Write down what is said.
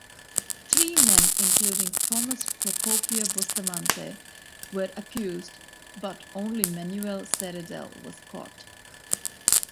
Three men including Tomas Procopio Bustamante were accused but only Manuel Ceredel was caught.